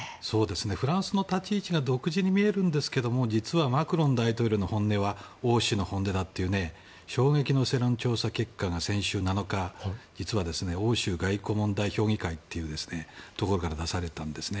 フランスの立ち位置が独自に見えるんですが実は、マクロン大統領の本音は欧州の本音だという衝撃の世論調査結果が先週７日に欧州外交評議会から出されたんですね。